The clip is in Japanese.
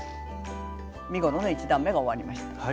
身ごろの１段めが終わりました。